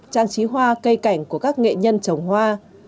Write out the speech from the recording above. trang trí hoa cây cảnh của các nghệ nhân trồng hoa